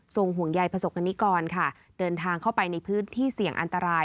ศูนย์หวงยายพระศกณิกรค่ะเดินทางเข้าไปในพื้นที่เสี่ยงอันตราย